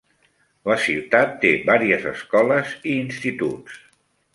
La ciutat té vàries escoles i instituts.